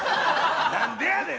何でやねん！